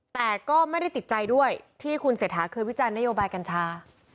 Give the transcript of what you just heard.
แต่ก็ไม่ได้ติดใจด้วยที่คุณเศรษฐาเคยวิจารณนโยบายกัญชา